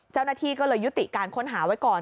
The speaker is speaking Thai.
เจ้าหน้าที่ก็เลยยุติการค้นหาไว้ก่อน